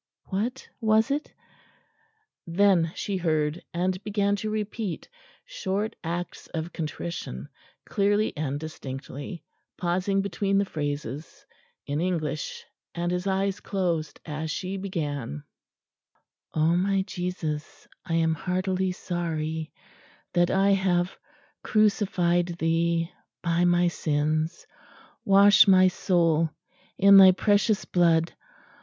what was it?... Then she heard, and began to repeat short acts of contrition clearly and distinctly, pausing between the phrases, in English, and his eyes closed as she began: "O my Jesus I am heartily sorry that I have crucified thee by my sins Wash my soul in Thy Precious Blood.